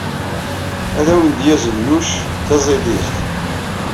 Ad awen-d-yazen Yuc taẓidirt.